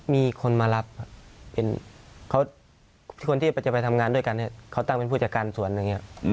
มีคนมารับครับคนที่จะไปทำงานด้วยกันเขาตั้งเป็นผู้จัดการสวนอย่างนี้